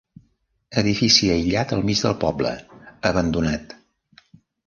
Edifici aïllat al mig del poble, abandonat.